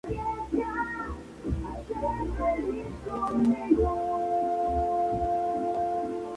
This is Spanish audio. Era el hermano mayor de Ian Fleming, creador de James Bond.